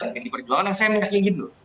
dan pdi perjuangan yang saya mengatakan gitu